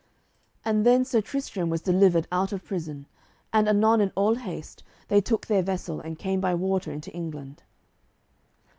And then Sir Tristram was delivered out of prison, and anon in all haste they took their vessel, and came by water into England.